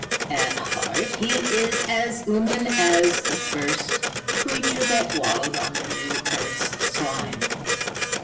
At heart he is as human as the first man creature that wallowed in the new earth's slime."